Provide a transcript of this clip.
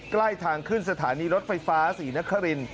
ใกล้ทางขึ้นสถานีรถไฟฟ้าศรีนคริน